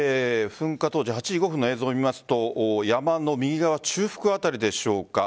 噴火当時８時５分の映像を見ますと山の右側、中腹あたりでしょうか。